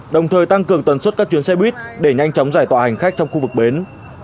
đồng thời tăng cường tần suất các chuyến xe buýt để nhanh chóng giải tỏa hành khách trong khu vực bến